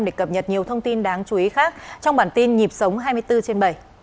để cập nhật nhiều thông tin đáng chú ý khác trong bản tin nhịp sống hai mươi bốn trên bảy